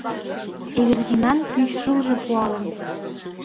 Эвердинан пӱйшылже пуалын.